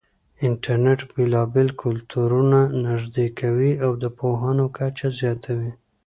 انټرنېټ بېلابېل کلتورونه نږدې کوي او د پوهاوي کچه زياتوي.